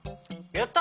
やった！